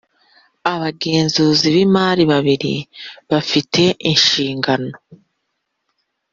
abagenzuzi b imari babiri bafite inshingano